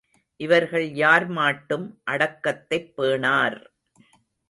இவர்கள் யார் மாட்டும் அடக்கத்தைப் பேணார்.